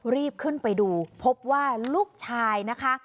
รีบขึ้นไปดูพบว่าลูกชายนะคะ